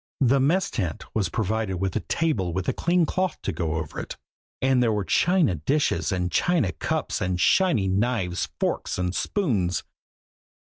... The mess tent was provided with a table with a clean cloth to go over it, and there were china dishes and china cups and shiny knives, forks and spoons.